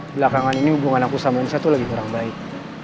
belakangan ini hubungan aku sama indonesia tuh lagi kurang baik